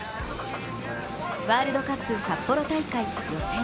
ワールドカップ札幌大会予選。